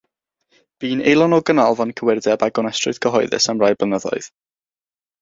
Bu'n aelod o Ganolfan Cywirdeb a Gonestrwydd Cyhoeddus am rai blynyddoedd.